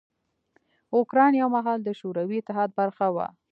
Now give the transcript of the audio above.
اوکراین یو مهال د شوروي اتحاد برخه وه.